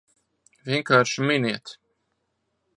Vienkārši miniet!